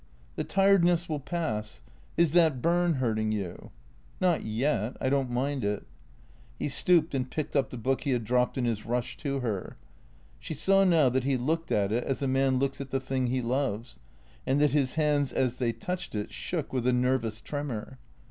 " The tiredness will pass. Is that burn hurting you ?"" Not yet. I don't mind it." He stooped and picked up the book he had dropped in his rush to her. She saw now that he looked at it as a man looks at the thing he loves, and that his hands as they touched it shook with a nervous tremor.